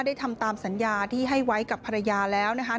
ทำตามสัญญาที่ให้ไว้กับภรรยาแล้วนะคะ